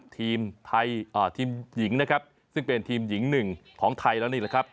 ทีมไทยทีมหญิงนะครับซึ่งเป็นทีมหญิงหนึ่งของไทยแล้วนี่แหละครับ